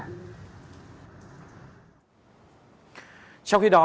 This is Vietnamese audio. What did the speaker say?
trong khi đó